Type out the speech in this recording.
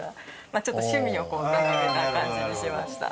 まあちょっと趣味をこう並べた感じにしました。